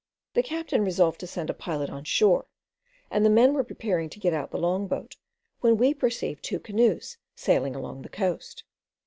The captain resolved to send a pilot on shore, and the men were preparing to get out the long boat when we perceived two canoes sailing along the coast.